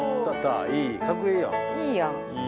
いいやん。